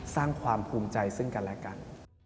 สร้างความภูมิใจซึ่งกันและกัน